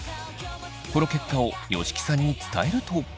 この結果を吉木さんに伝えると。